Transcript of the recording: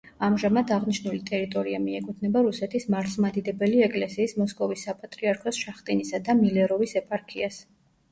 ამჟამად აღნიშნული ტერიტორია მიეკუთვნება რუსეთის მართლმადიდებელი ეკლესიის მოსკოვის საპატრიარქოს შახტინისა და მილეროვის ეპარქიას.